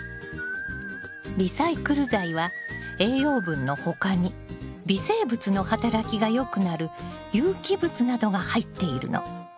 リサイクル材は栄養分の他に微生物の働きがよくなる有機物などが入っているの。